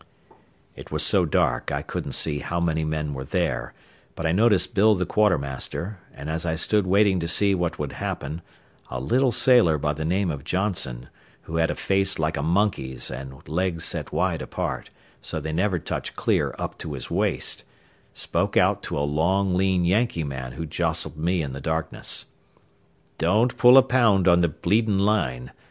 It was so dark I couldn't see how many men were there, but I noticed Bill the quartermaster, and as I stood waiting to see what would happen, a little sailor by the name of Johnson, who had a face like a monkey's and legs set wide apart, so they never touched clear up to his waist, spoke out to a long, lean Yankee man who jostled me in the darkness. "Don't pull a pound on the bleeding line.